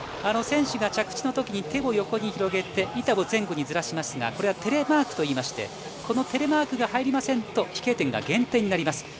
選手が着地のとき手を横に広げて板を前後にずらしますがこれはテレマークといいましてこのテレマークが入りませんと飛型点が減点になります。